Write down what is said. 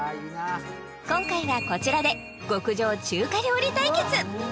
今回はこちらで極上中華料理対決！